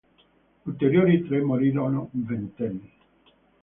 Ulteriori tre morirono ventenni.